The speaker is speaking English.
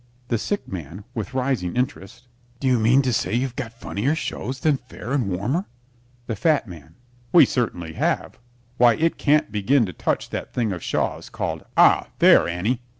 THE SICK MAN (with rising interest) Do you mean to say you've got funnier shows than "Fair and Warmer"? THE FAT MAN We certainly have. Why, it can't begin to touch that thing of Shaw's called "Ah, There, Annie!"